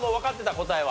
答えは。